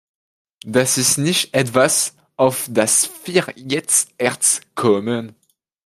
Das ist nicht etwas, auf das wir jetzt erst kommen.